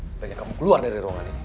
sebaiknya kamu keluar dari ruangan ini